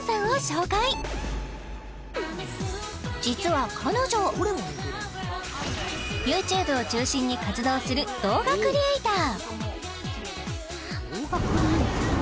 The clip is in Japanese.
ＹｏｕＴｕｂｅを中心に活動する動画クリエイター